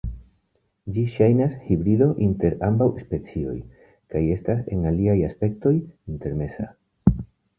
Ĝi ŝajnas hibrido inter ambaŭ specioj, kaj estas en aliaj aspektoj intermeza.